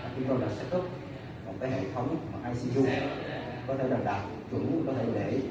chúng tôi đã sắp cấp một cái hệ thống icu có thể đặt chuẩn có thể để